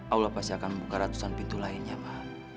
allah pasti akan membuka ratusan pintu lainnya ma